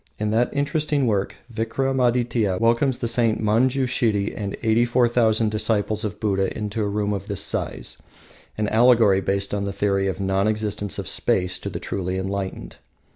In that interesting work, Vikramadytia welcomes the Saint Manjushiri and eighty four thousand disciples of Buddha in a room of this size, an allegory based on the theory of the non existence of space to the truly enlightened.